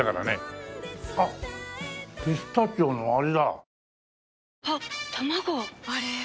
あっピスタチオのあれだ。